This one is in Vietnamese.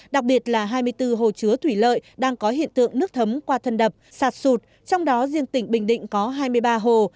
đặc biệt là hai mươi bốn hồ chứa thủy lợi đang có hiện tượng nước thấm qua thân đập sạt sụt trong đó riêng tỉnh bình định có hai mươi ba hồ